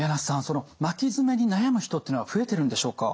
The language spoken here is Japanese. その巻き爪に悩む人っていうのは増えてるんでしょうか？